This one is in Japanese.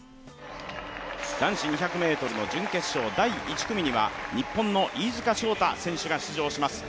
男子２００ｍの準決勝第１組には日本の飯塚翔太選手が出場します。